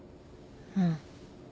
うん。